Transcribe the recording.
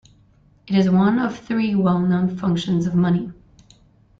It is one of three well-known functions of money.